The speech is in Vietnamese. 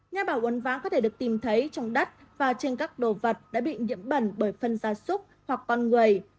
nhà bảo uấn ván có thể được tìm thấy trong đất và trên các đồ vật đã bị nhiễm bẩn bởi phân gia súc hoặc con người